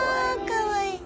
かわいい。